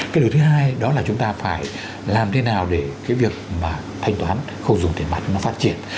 cái điều thứ hai đó là chúng ta phải làm thế nào để cái việc mà thanh toán không dùng tiền mặt nó phát triển